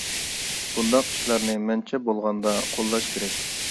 بۇنداق ئىشلارنى مەنچە بولغاندا قوللاش كېرەك!